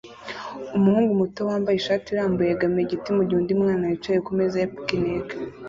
Umuhungu muto wambaye ishati irambuye yegamiye igiti mugihe undi mwana yicaye kumeza ya picnic